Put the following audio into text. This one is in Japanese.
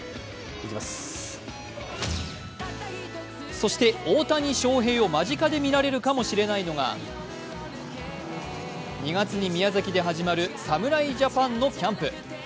そして大谷翔平を間近で見られるかもしれないのが２月に宮崎で始まる侍ジャパンのキャンプ。